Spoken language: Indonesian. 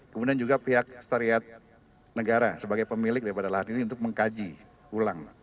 kemudian juga pihak setariat negara sebagai pemilik daripada lahan ini untuk mengkaji ulang